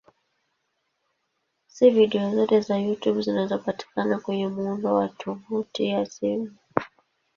Si video zote za YouTube zinazopatikana kwenye muundo wa tovuti ya simu.